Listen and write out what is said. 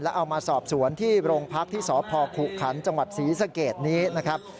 เอามาสอบสวนที่โรงพักที่สพขุขันจังหวัดศรีสะเกดนี้นะครับ